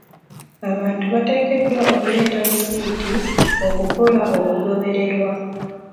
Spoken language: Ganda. Abantu bateekeddwa okuleeta lisiiti okukola okugobererwa.